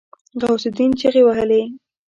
غوث الدين چيغې وهلې.